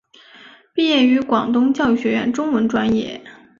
毕业于广东教育学院中文专业。